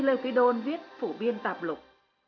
lê quỷ đôn viết phủ biên tạp lục